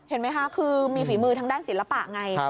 เห็นไหมคะคือมีฝีมือทางด้านศิลปะไง